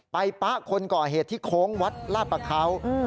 ป๊ะคนก่อเหตุที่โค้งวัดลาดประเขา